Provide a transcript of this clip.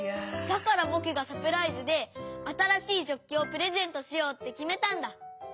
だからぼくがサプライズであたらしいジョッキをプレゼントしようってきめたんだ！